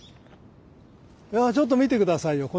ちょっと見て下さいよこの景色。